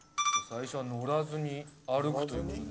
最初は乗らずに歩くという事で。